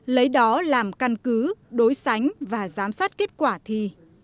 lấy đó làm căn cứ đối sánh và giám sát kết quả thi